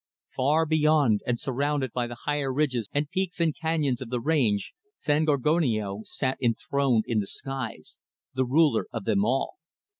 Far beyond, and surrounded by the higher ridges and peaks and canyons of the range, San Gorgonio sat enthroned in the skies the ruler of them all.